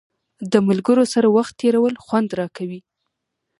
د ملګرو سره وخت تېرول خوند راکوي.